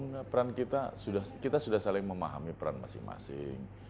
enggak peran kita kita sudah saling memahami peran masing masing